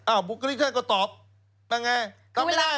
อ้าวบุคลิกท่านก็ตอบตอบไม่ได้